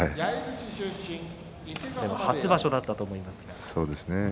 初場所だったと思います。